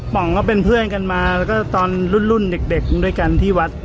องก็เป็นเพื่อนกันมาแล้วก็ตอนรุ่นเด็กด้วยกันที่วัด